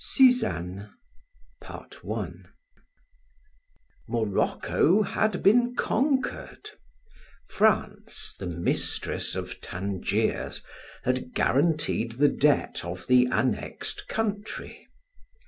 SUZANNE Morocco had been conquered; France, the mistress of Tangiers, had guaranteed the debt of the annexed country.